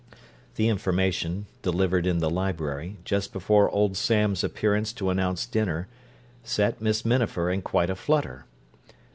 The information, delivered in the library, just before old Sam's appearance to announce dinner, set Miss Minafer in quite a flutter.